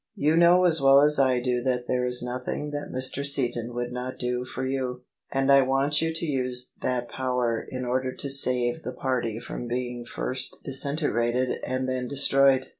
You know as well as I do that there is nothing that Mr. Seaton would not do for you : and I want you to use that power In order to save the party from being first disintegrated and then destroyed."